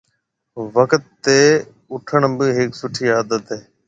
وقت تي اُوٺڻ بي هيَڪ سُٺِي عادت هيَ۔